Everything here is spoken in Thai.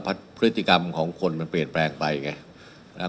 พฤติกรรมของคนมันเปลี่ยนแปลงไปไง